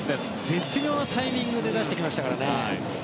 絶妙なタイミングで出してきましたからね。